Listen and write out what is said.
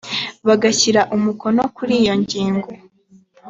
bagashyira umukono kuri yo ngingo